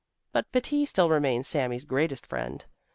But Betti still remains Sami's greatest friend.